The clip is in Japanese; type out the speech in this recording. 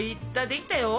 できたよ。